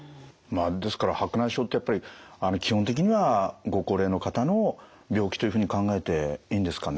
ですから白内障ってやっぱり基本的にはご高齢の方の病気というふうに考えていいんですかね？